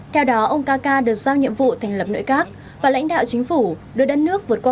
theo đó ông kaka được giao nhiệm vụ thành lập nội các và lãnh đạo chính phủ đưa đất nước vượt qua